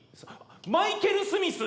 マイケル・スミス！